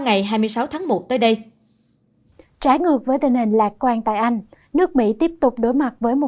ngày hai mươi sáu tháng một tới đây trái ngược với tình hình lạc quan tại anh nước mỹ tiếp tục đối mặt với một